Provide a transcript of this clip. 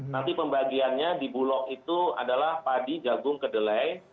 nanti pembagiannya di bulog itu adalah padi jagung kedelai